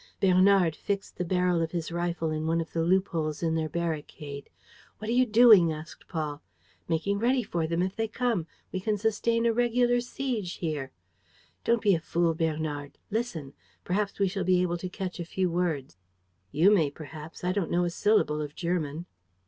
Bernard fixed the barrel of his rifle in one of the loop holes in their barricade. "What are you doing?" asked Paul. "Making ready for them if they come. We can sustain a regular siege here." "Don't be a fool, Bernard. Listen. Perhaps we shall be able to catch a few words." "You may, perhaps. I don't know a syllable of German.